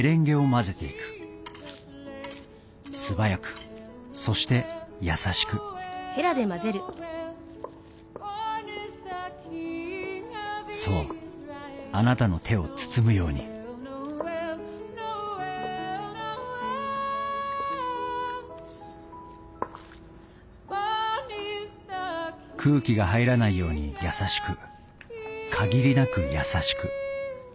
素早くそして優しくそうあなたの手を包むように空気が入らないように優しく限りなく優しく。